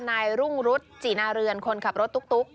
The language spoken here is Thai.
นายรุ่งรุษจีนาเรือนคนขับรถตุ๊ก